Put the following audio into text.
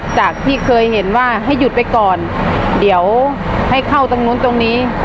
จากที่เคยเห็นว่าให้หยุดไปก่อนเดี๋ยวให้เข้าตรงนู้นตรงนี้